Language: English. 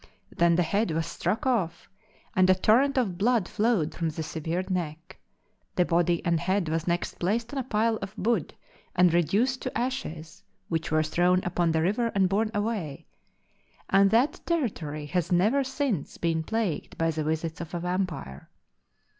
Then the head was struck off, and a torrent of blood flowed from the severed neck. The body and head was next placed on a pile of wood, and reduced to ashes, which were thrown upon the river and borne away, and that territory has never since been plagued by the visits of a vampire.